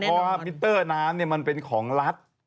เพราะว่ามิเตอร์น้ำมันเป็นของรัฐ